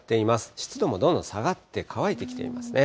湿度もどんどん下がって、乾いてきていますね。